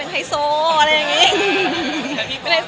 ก็เลยเอาข้าวเหนียวมะม่วงมาปากเทียน